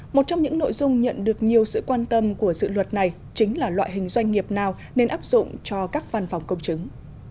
một trong những nội dung nhận được nhiều sự quan tâm của dự luật này chính là loại hình doanh nghiệp nào nên áp dụng cho các văn phòng công chứng